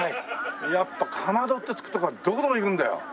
やっぱ「かまど」って付く所はどこでも行くんだよ。